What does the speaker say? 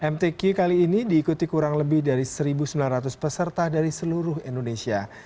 mtq kali ini diikuti kurang lebih dari satu sembilan ratus peserta dari seluruh indonesia